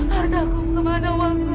harta aku mau kemana wanggu